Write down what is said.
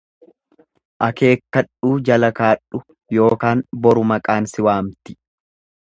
Akeekkadhuu jala kaadhu ykn boru maqaan si waamti.